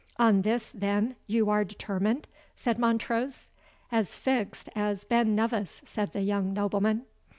"On this, then, you are determined?" said Montrose. "As fixed as Ben Nevis," said the young nobleman.